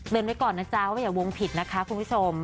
เป็นไว้ก่อนนะจ๊ะว่าอย่าวงผิดนะคะคุณผู้ชม